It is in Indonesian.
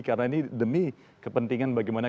karena ini demi kepentingan bagaimana